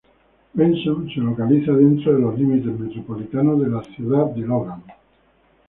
Benson se localiza dentro de los límites metropolitanos de la ciudad de Logan.